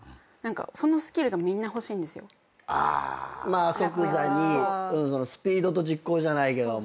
まあ即座にスピードと実行じゃないけども。